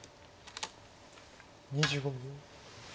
２５秒。